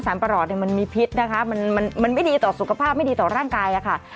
ประหลอดเนี่ยมันมีพิษนะคะมันไม่ดีต่อสุขภาพไม่ดีต่อร่างกายค่ะ